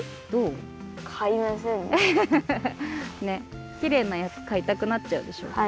ねっきれいなやつかいたくなっちゃうでしょ。